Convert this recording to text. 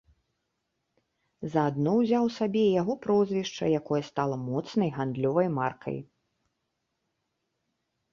Заадно ўзяў сабе і яго прозвішча, якое стала моцнай гандлёвай маркай.